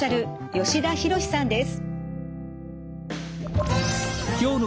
吉田博さんです。